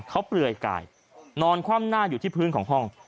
เขาเปลือยกายนอนคว่ำหน้าอยู่ที่พื้นของห้อง